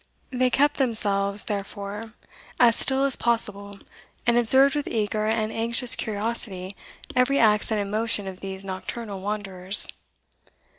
They kept themselves, therefore, as still as possible, and observed with eager and anxious curiosity every accent and motion of these nocturnal wanderers.